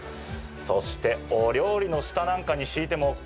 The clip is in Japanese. そして、お料理の下なんかに敷いてもＯＫ！